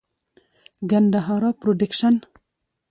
ګندهارا پروډکشن.